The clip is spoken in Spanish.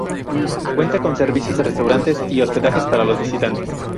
Cuenta con servicios de restaurantes y hospedajes para los visitantes.